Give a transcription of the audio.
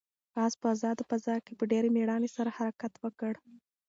آس په آزاده فضا کې په ډېرې مېړانې سره حرکت وکړ.